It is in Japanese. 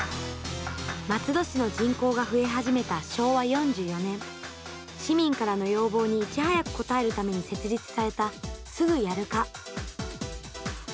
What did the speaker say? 松戸市の人口が増え始めた昭和４４年市民からの要望にいち早く応えるために設立されたすぐやる課。